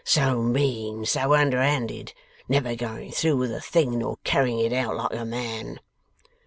So mean, so underhanded. Never going through with a thing, nor carrying it out like a man!